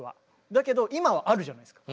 だけど今はあるじゃないですか。